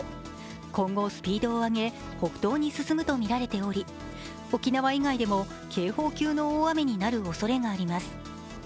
今後、スピードを上げ北東に進むとみられており、沖縄以外でも警報級の大雨になるおそれがあります。